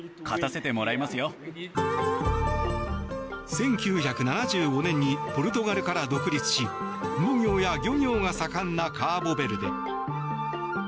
１９７５年にポルトガルから独立し農業や漁業が盛んなカーボベルデ。